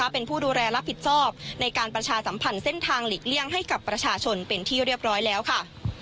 เป็นผู้ดูแลรับผิดชอบในการประชาสัมพันธ์เส้นทางหลีกเลี่ยงให้กับประชาชนเป็นที่เรียบร้อยแล้วค่ะ